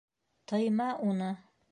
Тыйма уны!